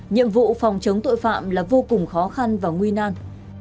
nhiệm vụ phòng chống tội phạm là vô cùng khó khăn và nguy nan